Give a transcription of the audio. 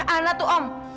anak tuh om